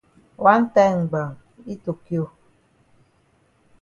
Wan time gbam yi tokio.